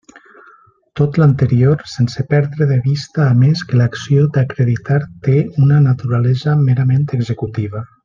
Tot l'anterior, sense perdre de vista, a més, que l'acció d'acreditar té una naturalesa merament executiva.